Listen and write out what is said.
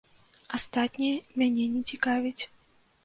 Астатняе мяне не цікавіць.